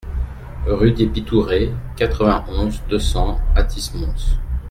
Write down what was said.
Rue des Pitourées, quatre-vingt-onze, deux cents Athis-Mons